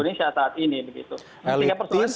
elitis sikapnya kemudian juga banyak misleading secara substansi